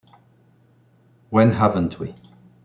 When haven't we?